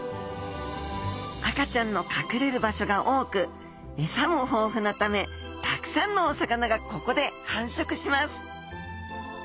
赤ちゃんの隠れる場所が多く餌も豊富なためたくさんのお魚がここで繁殖します。